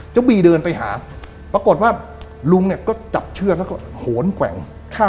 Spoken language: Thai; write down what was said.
บีเดินไปหาปรากฏว่าลุงเนี่ยก็จับเชือกแล้วก็โหนแกว่ง